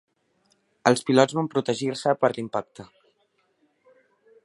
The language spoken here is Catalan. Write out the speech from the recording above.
Els pilots van protegir-se per a l'impacte.